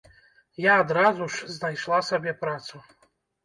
Я адразу ж знайшла сабе працу.